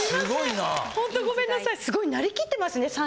凄いなりきってますね。